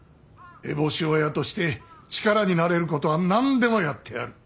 烏帽子親として力になれることは何でもやってやる。